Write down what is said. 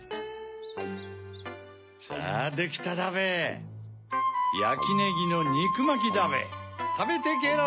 ・さぁできただべ・やきネギのにくまきだべたべてけろ！